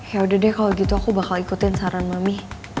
yaudah deh kalo gitu aku bakal ikutin saran mami